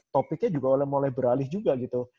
topiknya juga mulai beralih juga gitu